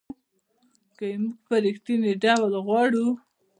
که یې موږ په رښتینې ډول غواړو .